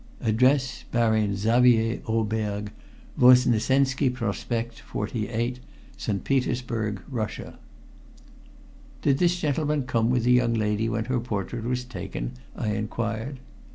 Address: Baron Xavier Oberg, Vosnesenski Prospect 48, St. Petersburg, Russia." "Did this gentleman come with the young lady when her portrait was taken?" I inquired.